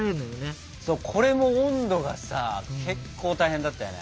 これも温度がさ結構大変だったよね。